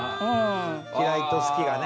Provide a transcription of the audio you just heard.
嫌いと好きがね。